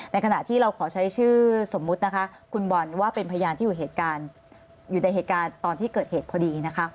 ขณะที่เราขอใช้ชื่อสมมุตินะคะคุณบอลว่าเป็นพยานที่อยู่เหตุการณ์อยู่ในเหตุการณ์ตอนที่เกิดเหตุพอดีนะคะ